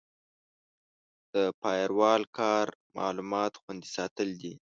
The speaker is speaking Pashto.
د فایروال کار معلومات خوندي ساتل دي.